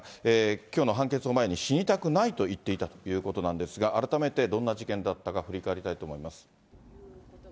きょうの判決を前に、死にたくないと言っていたということなんですが、改めてどんな事件だったか振り返りたいと思います。